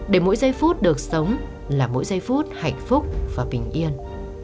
để mỗi giây phút được sống là mỗi giây phút hạnh phúc và bình yên